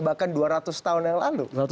bahkan dua ratus tahun yang lalu